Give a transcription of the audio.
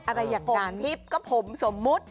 อะไรอย่างผมทิพย์ก็ผมสมมุติ